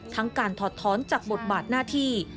ทั้งการถอดท้อนจากบทบาทหน้าที่